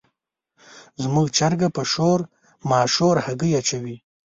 زموږ چرګه په شور ماشور هګۍ اچوي.